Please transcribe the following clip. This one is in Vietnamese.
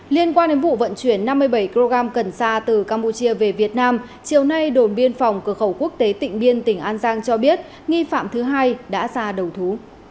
liên quan đến vụ vận chuyển năm mươi bảy kg cần sa từ campuchia về việt nam chiều nay đồn biên phòng cửa khẩu quốc tế tịnh biên tỉnh an giang cho biết nghi phạm thứ hai đã ra đầu thú